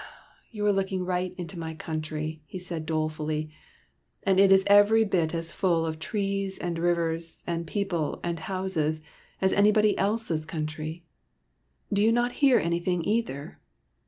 ''You are looking right into my country," he said dolefully, " and it is every bit as full of trees and rivers and people and houses as anybody else's country. Do you not hear anything either?